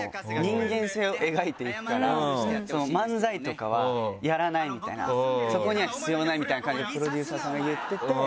「漫才とかはやらない」みたいな「そこには必要ない」みたいな感じでプロデューサーさんが言ってて。